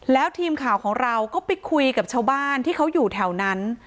แล้วทีมข่าวของเราก็ไปคุยกับชาวบ้านที่เขาอยู่แถวนั้น